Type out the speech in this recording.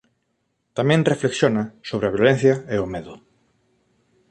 Tamén reflexiona sobre a violencia e o medo.